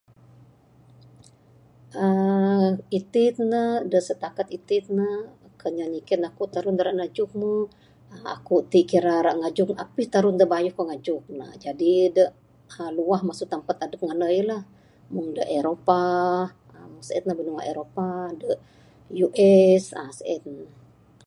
aaa iti ne, da sitakat iti ne, kan inya nyiken aku tarun da ra najung mu aaa aku ti kira ngajung apih tarun da bayuh aku ngajung ne. Jadi de luah masu tampat adep ku nganai lah mung da eropah, meng sien lah binua eropah de US aaa sien.